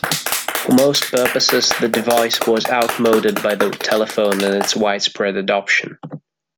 For most purposes, the device was outmoded by the telephone and its widespread adoption.